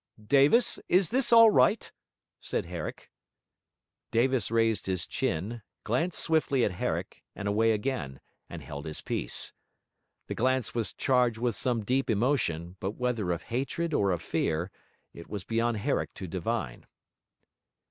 'Davis, is this all right?' said Herrick. Davis raised his chin, glanced swiftly at Herrick and away again, and held his peace. The glance was charged with some deep emotion, but whether of hatred or of fear, it was beyond Herrick to divine.